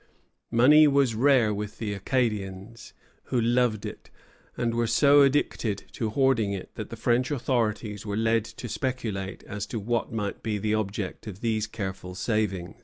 Money was rare with the Acadians, who loved it, and were so addicted to hoarding it that the French authorities were led to speculate as to what might be the object of these careful savings.